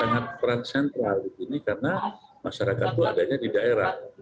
sangat peran sentral di sini karena masyarakat itu adanya di daerah